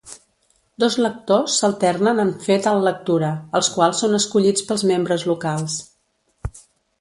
Dos lectors s'alternen en fer tal lectura, els quals són escollits pels membres locals.